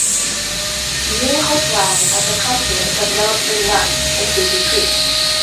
New Hope lies at the confluence of Yellow Spring Run and Sleepy Creek.